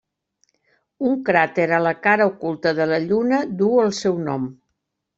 Un cràter a la cara oculta de la Lluna duu el seu nom.